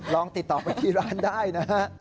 ลองติดต่อไปที่ร้านได้นะฮะ